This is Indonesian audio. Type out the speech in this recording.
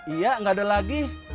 iya gak ada lagi